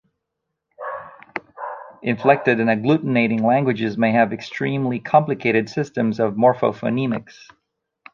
Inflected and agglutinating languages may have extremely complicated systems of morphophonemics.